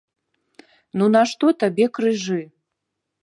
Ну нашто табе крыжы?